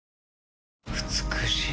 美しい。